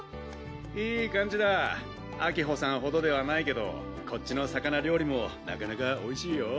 「いい感じだあきほさんほどではないけどこっちの魚料理もなかなかおいしいよ」